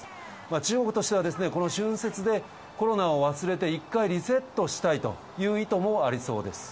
中国としてはですね、この春節でコロナを忘れて、１回リセットしたいという意図もありそうです。